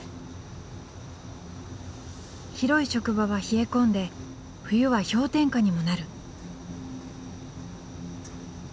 広い職場は冷え込んで冬は氷点下にもなる。